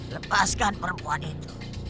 lepaskan perempuan itu